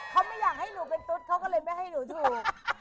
เขาไม่อยากให้หนูเป็นตุ๊ดเขาก็เลยไม่ให้หนูถูก